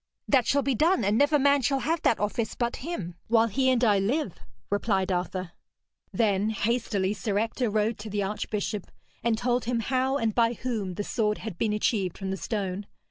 'That shall be done, and never man shall have that office but him, while he and I live,' replied Arthur. Then hastily Sir Ector rode to the archbishop, and told him how and by whom the sword had been achieved from the stone.